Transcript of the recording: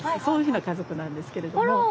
そういうふうな家族なんですけれども。